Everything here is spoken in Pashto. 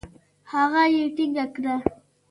هغه يې ټينګه کړه.